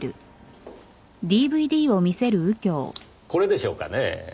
これでしょうかねぇ？